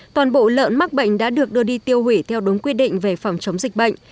toàn bộ lợn mắc bệnh đã được đưa đi tiêu hủy theo đúng quy định về phòng chống dịch bệnh